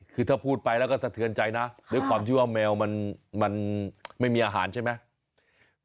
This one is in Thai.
คือถ้าพูดไปแล้วก็สะเทือนใจนะด้วยความที่ว่าแมวมันไม่มีอาหารใช่ไหม